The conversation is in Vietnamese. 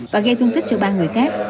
và gây thương tích cho ba người khác